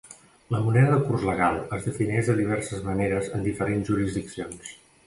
La moneda de curs legal es defineix de diverses maneres en diferents jurisdiccions.